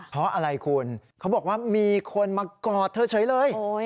เพราะอะไรคุณเขาบอกว่ามีคนมากอดเธอเฉยเลย